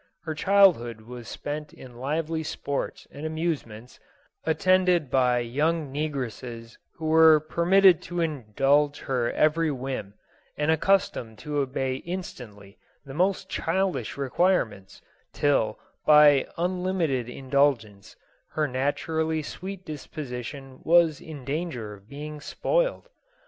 Her childhood was spent in lively sports and amuse ments, attended by young negresses who were permit ted to indulge her every whim, and accustomed to obey instantly the most childish requirements, till, by un limited indulgence, her naturally sweet disposition was in danger of being spoiled.